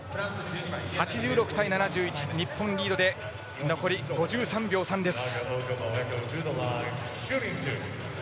８６対７１、日本リードで残り５３秒３です。